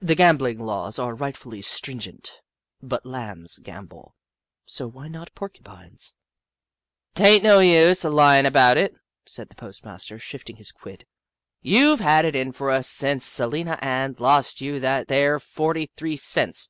The gambling laws are rightfully stringent, but Lambs gam bol, so why not Porcupines ?" T ain't no use o' lyin' about it," said the postmaster, shifting his quid, "you 've had it in fer us ever since Salina Ann lost you that there forty three cents.